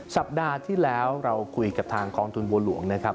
สัปดาห์ที่แล้วเราคุยกับทางกองทุนบัวหลวงนะครับ